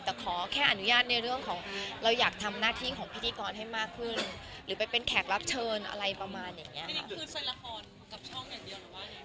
แต่ขอแค่อนุญาตในเรื่องของเราอยากทำหน้าที่ของพิธีกรให้มากขึ้นหรือไปเป็นแขกรับเชิญอะไรประมาณอย่างนี้